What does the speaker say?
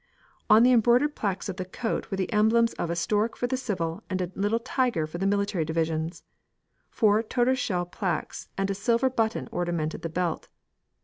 On the embroidered plaques of the coat were the emblems of a stork for the civil, and a little tiger for the military divisions. Four tortoise shell plaques and a silver button ornamented the belt.